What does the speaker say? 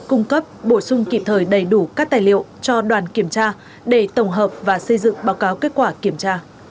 cung cấp bổ sung kịp thời đầy đủ các tài liệu cho đoàn kiểm tra để tổng hợp và xây dựng báo cáo kết quả kiểm tra